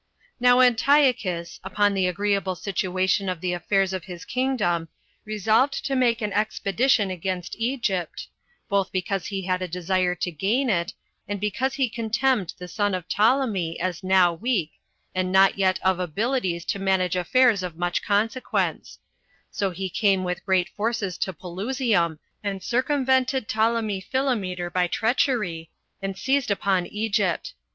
2. Now Antiochus, upon the agreeable situation of the affairs of his kingdom, resolved to make an expedition against Egypt, both because he had a desire to gain it, and because he contemned the son of Ptolemy, as now weak, and not yet of abilities to manage affairs of such consequence; so he came with great forces to Pelusium, and circumvented Ptolemy Philometor by treachery, and seized upon Egypt.